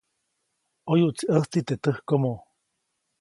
ʼOyuʼtsi ʼäjtsi teʼ täjkomo.